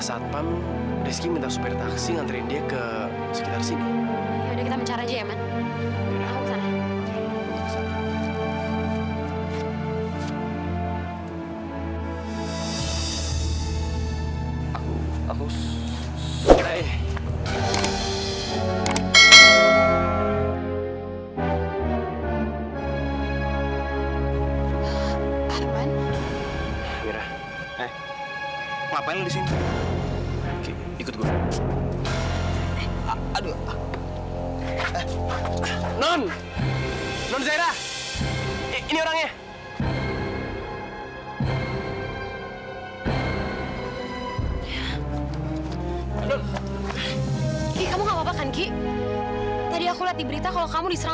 sampai jumpa di video selanjutnya